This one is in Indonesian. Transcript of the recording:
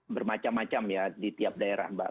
bermacam macam ya di tiap daerah mbak